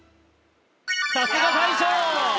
さすが大将！